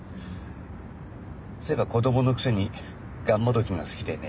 そういえば子供のくせにがんもどきが好きでね。